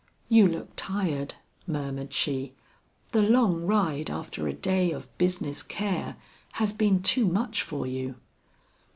"You look tired," murmured she; "the long ride after a day of business care has been too much for you."